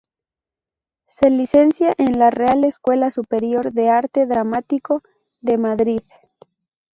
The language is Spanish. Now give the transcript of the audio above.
Se licencia en la Real Escuela Superior de Arte Dramático de Madrid.